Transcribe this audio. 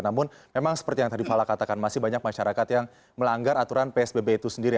namun memang seperti yang tadi fala katakan masih banyak masyarakat yang melanggar aturan psbb itu sendiri